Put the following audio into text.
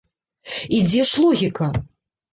І дзе ж логіка?